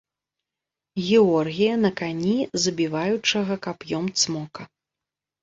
Георгія на кані, забіваючага кап'ём цмока.